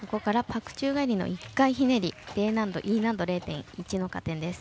パク宙返りの１回ひねり、Ｄ難度、Ｅ難度０．１の加点です。